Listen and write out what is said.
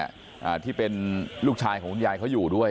อ่าที่เป็นลูกชายของคุณยายเขาอยู่ด้วย